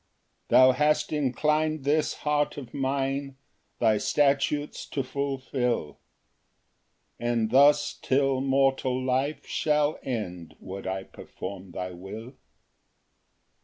Ver. 112. 6 Thou hast inclin'd this heart of mine, Thy statutes to fulfil; And thus till mortal life shall end Would I perform thy will.